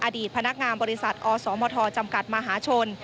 อดีตพนักงานบริษัทอสมทจำกัดมหาชน